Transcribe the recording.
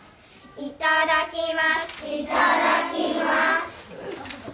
いただきます。